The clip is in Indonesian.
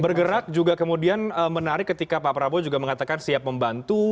bergerak juga kemudian menarik ketika pak prabowo juga mengatakan siap membantu